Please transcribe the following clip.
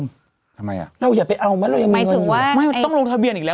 ไม่ต้องลงทะเบียนอีกแล้ว